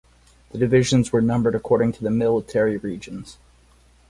The divisions were numbered according to the military regions.